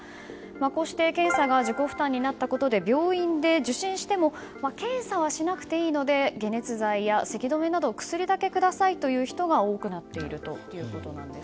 こうして検査が自己負担になったことで病院で受診しても検査はしなくていいので解熱剤やせき止めなど薬だけくださいという人が多くなっているということです。